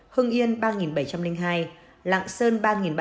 hưng yên ba bảy trăm linh hai lạng sơn ba ba trăm ba mươi năm